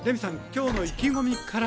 きょうの意気込みから。